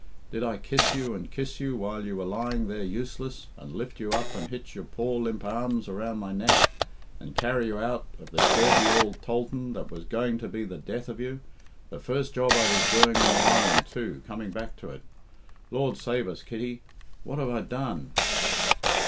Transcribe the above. Did I kiss you and kiss you while you were lying there useless, and lift you up and hitch your poor limp arms around my neck, and carry you out of the dirty ould tholthan that was going to be the death of you the first job I was doing on the island, too, coming back to it.... Lord save us, Kitty, what have I done?"